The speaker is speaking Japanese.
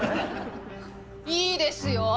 いいですよ。